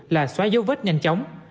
là xóa dấu vết nhanh chóng